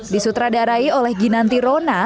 disutradarai oleh ginanti rona